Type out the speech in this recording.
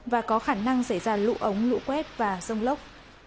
và có khả năng xảy ra lũ ống lũ quét và rông lốc